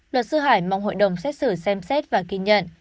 luật sư hải mong hội đồng xét xử xem xét và ghi nhận